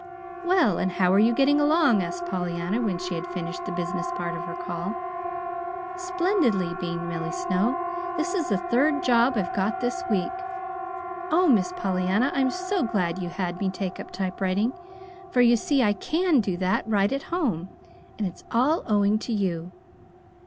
"Well, and how are you getting along?" asked Pollyanna, when she had finished the business part of her call. "Splendidly!" beamed Milly Snow. "This is the third job I've got this week. Oh, Miss Pollyanna, I'm so glad you had me take up typewriting, for you see I CAN do that right at home! And it's all owing to you."